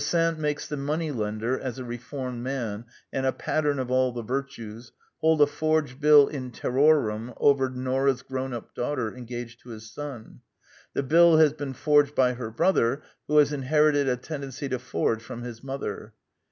Besant makes the moneylender, as a reformed man, and a pattern of all the virtues, hold a forged bill in Urrorem over Nora's grown up daughter, engaged to his son. The bill has been forged by her brother, who has inherited a tendency to forge from his mother.